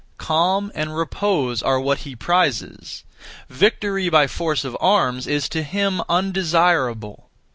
Calm and repose are what he prizes; victory (by force of arms) is to him undesirable.